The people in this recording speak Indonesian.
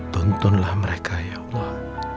tuntunlah mereka ya allah